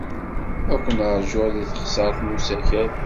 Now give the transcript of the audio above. Ad ken-ṛjuɣ deg teɣsert n usakal.